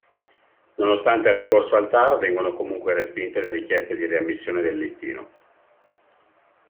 Nonostante il ricorso al Tar vengono comunque respinte le richieste di riammissione del listino.